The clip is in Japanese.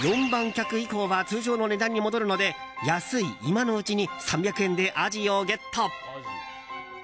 ４番客以降は通常の値段に戻るので安い今のうちに３００円でアジをゲット。